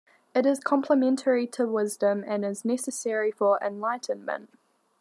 It is complementary to wisdom and is necessary for enlightenment.